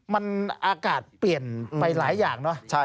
มันอากาศเปลี่ยนไปหลายอย่างเนอะ